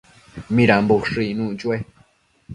¿Midambo ushëc icnuc chue?